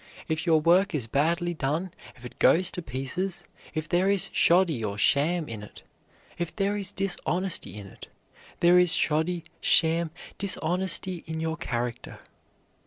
If your work is badly done; if it goes to pieces; if there is shoddy or sham in it; if there is dishonesty in it, there is shoddy, sham, dishonesty in your character.